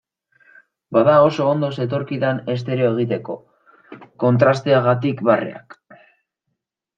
Bada oso ondo zetorkidan estereo egiteko, kontrasteagatik barreak.